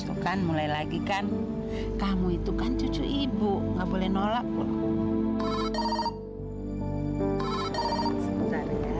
suka mulai lagi kan kamu itu kan cucu ibu nggak boleh nolak loh sebenarnya